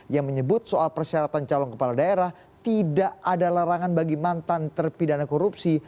yang menyebut soal persyaratan calon kepala daerah tidak ada larangan bagi mantan terpidana korupsi